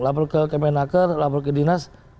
lapor ke kemenaker lapor ke dinas